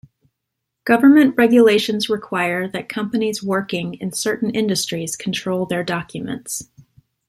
Government regulations require that companies working in certain industries control their documents.